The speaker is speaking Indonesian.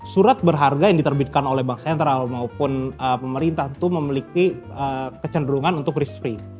surat berharga yang diterbitkan oleh bank sentral maupun pemerintah itu memiliki kecenderungan untuk respee